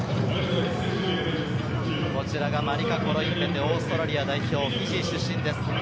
こちらがマリカ・コロインベテ、オーストラリア代表、フィジー出身。